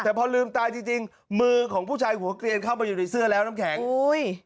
แต่พอลืมตายจริงจริงมือของผู้ชายหัวเกลียนเข้ามาอยู่ในเสื้อแล้วน้ำแข็งอุ้ย